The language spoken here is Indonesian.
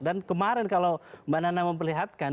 dan kemarin kalau mbak nana memperlihatkan